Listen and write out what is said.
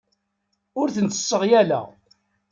Ur tent-sseɣyaleɣ.